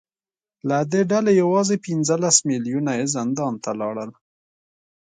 له دې ډلې یوازې پنځلس میلیونه یې زندان ته لاړل